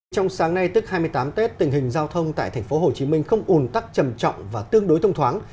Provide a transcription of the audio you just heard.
trong sáng nay tức hai mươi tám tết tình hình giao thông tại tp hcm không ồn tắc trầm trọng và tương đối thông thoáng